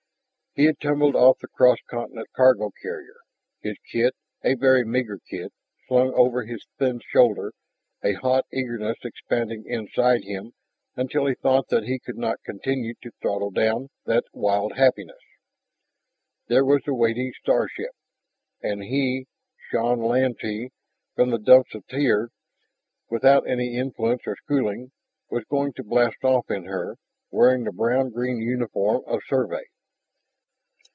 He had tumbled off the cross continent cargo carrier, his kit a very meager kit slung over his thin shoulder, a hot eagerness expanding inside him until he thought that he could not continue to throttle down that wild happiness. There was a waiting starship. And he Shann Lantee from the Dumps of Tyr, without any influence or schooling was going to blast off in her, wearing the brown green uniform of Survey!